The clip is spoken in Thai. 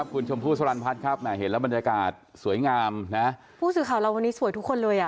บรรยากาศสวยงามนะผู้สื่อข่าวเราวันนี้สวยทุกคนเลยอ่ะ